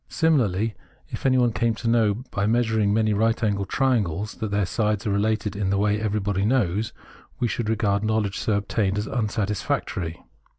Simi larly, if anyone came to know by measuring many right angled triangles that their sides are related in the way everybody knows, v/e should regard knowledge so obtained as unsatisfactory.